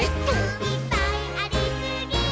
「いっぱいありすぎー！！」